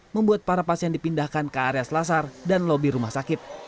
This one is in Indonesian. membuat para pasien dipindahkan ke area selasar dan lobi rumah sakit